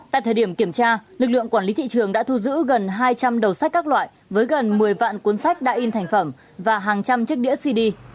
tại thời điểm kiểm tra lực lượng quản lý thị trường đã thu giữ gần hai trăm linh đầu sách các loại với gần một mươi vạn cuốn sách đã in thành phẩm và hàng trăm chiếc đĩa cd